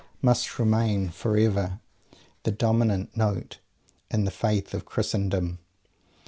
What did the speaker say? must remain forever the dominant "note" in the Faith of Christendom?